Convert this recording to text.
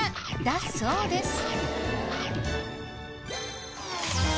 だそうです。